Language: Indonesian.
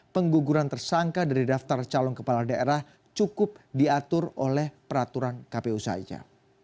pengguguran tersangka dari daftar calon kepala daerah cukup diatur oleh peraturan kpu saja